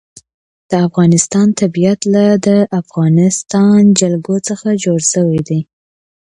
د افغانستان طبیعت له د افغانستان جلکو څخه جوړ شوی دی.